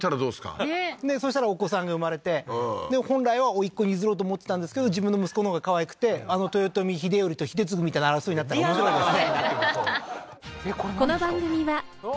ねえそしたらお子さんが生まれて本来はおいっ子に譲ろうと思ってたんですけど自分の息子のほうがかわいくてあの豊臣秀頼と秀次みたいな争いになったら面白いですね